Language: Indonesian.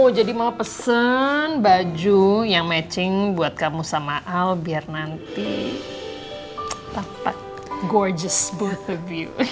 oh jadi mama pesen baju yang matching buat kamu sama al biar nanti tampak gorgeous both of you